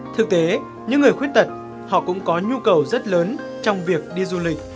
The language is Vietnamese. thực tế những người khuyết tật họ cũng có nhu cầu rất lớn trong việc đi du lịch